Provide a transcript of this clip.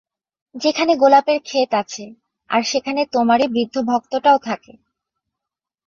সেখানে গোলাপের খেত আছে, আর সেখানে তোমার এ বৃদ্ধ ভক্তটাও থাকে।